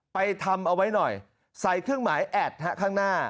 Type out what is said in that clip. ทำเอาไว้หน่อยใส่เครื่องหมายแอดข้างหน้า